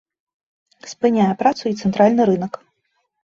Спыняе працу і цэнтральны рынак.